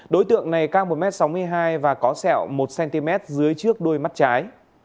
đối tượng này cao một m sáu mươi hai và có sẹo một cm dưới trước đôi mắt trái